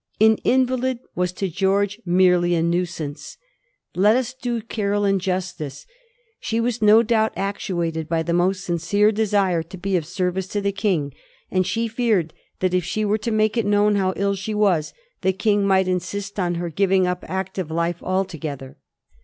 An invalid was to George merely a nuisance. Let us do Caroline justice. She was no doubt actuated by the most sincere desire to be of service to the King, and she feared that if she were to make it known how ill she was, the King might insist on her giving up active life al together.